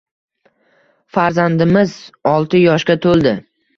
Farzandimiz olti yoshga to`ldi